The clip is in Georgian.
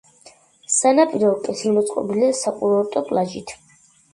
სანაპირო კეთილმოწყობილია საკურორტო პლაჟით.